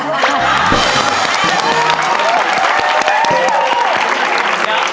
แค่นี้พอครับ